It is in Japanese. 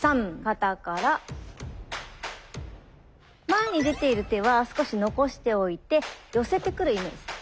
前に出ている手は少し残しておいて寄せてくるイメージ。